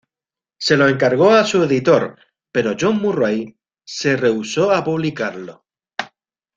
Se lo encargó a su editor, pero John Murray se rehusó a publicarlo.